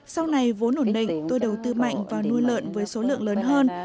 sau này vốn ổn định tôi đầu tư mạnh vào nuôi lợn với số lượng lớn hơn